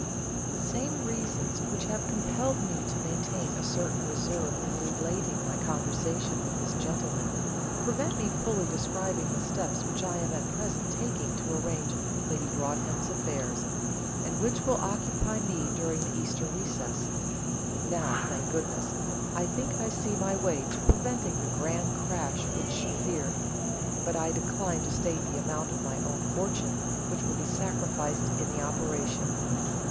The same reasons which have compelled me to maintain a certain reserve in relating my conversation with this gentleman prevent me fully describing the steps which I am at present taking to arrange Lady Broadhem's affairs, and which will occupy me during the Easter recess. Now, thank goodness, I think I see my way to preventing the grand crash which she feared, but I decline to state the amount of my own fortune which will be sacrificed in the operation.